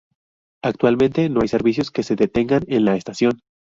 Actualmente no hay servicios que se detengan en la estación.